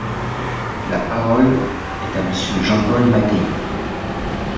La parole est à Monsieur Jean-Paul Mattei.